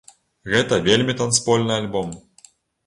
Гэта вельмі танцпольны альбом.